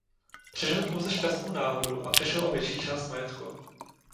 Přežil pouze šťastnou náhodou a přišel o větší část majetku.